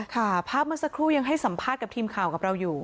ภาพเมื่อสักครู่ยังให้สัมภาษณ์กับทีมข่าวกับเราอยู่